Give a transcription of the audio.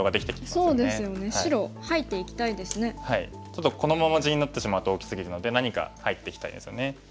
ちょっとこのまま地になってしまうと大きすぎるので何か入っていきたいですよね。